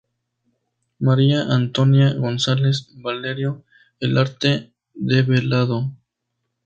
María Antonia González Valerio El arte develado.